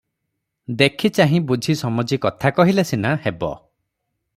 ଦେଖି ଚାହିଁ ବୁଝି ସମଜି କଥା କହିଲେ ସିନା ହେବ ।